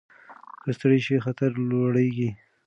که ستړي شئ خطر لوړېږي.